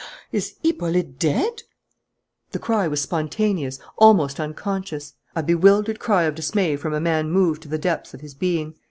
"Is Hippolyte dead?" The cry was spontaneous, almost unconscious; a bewildered cry of dismay from a man moved to the depths of his being.